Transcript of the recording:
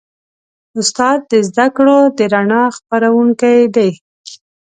استاد د زدهکړو د رڼا خپروونکی دی.